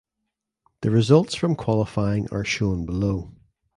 The results from qualifying are shown below.